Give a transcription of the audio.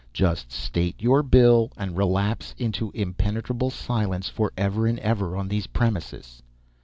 Just state your bill and relapse into impenetrable silence for ever and ever on these premises.